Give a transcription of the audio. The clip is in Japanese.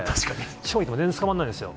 地方行っても全然つかまらないんですよ。